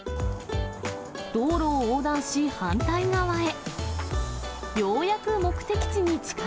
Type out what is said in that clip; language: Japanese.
道路を横断し、反対側へ。